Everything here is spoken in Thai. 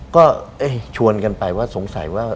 ก็ชวนกันไปว่าสงสัยว่า